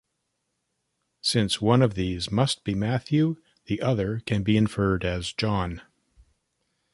Since one of these must be Matthew, the other can be inferred as John.